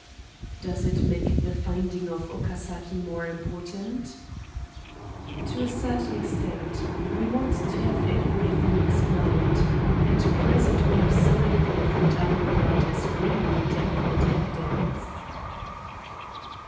"Does it make the finding of Okasaki more important?" "To a certain extent. We want to have everything explained. At present we have so little of what I regard as really definite evidence."